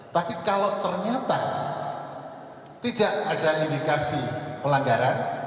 tapi kalau ternyata tidak ada indikasi pelanggaran